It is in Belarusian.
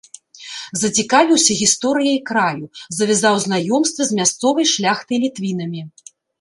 Зацікавіўся гісторыяй краю, завязаў знаёмствы з мясцовай шляхтай-літвінамі.